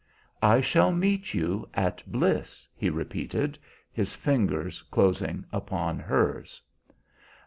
"I shall meet you at Bliss," he repeated, his fingers closing upon hers.